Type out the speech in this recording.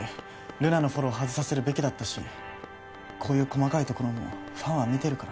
留奈のフォロー外させるべきだったしこういう細かいところもファンは見てるから。